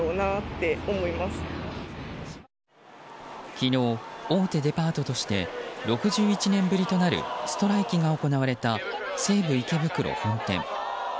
昨日、大手デパートとして６１年ぶりとなるストライキが行われた西武池袋本店。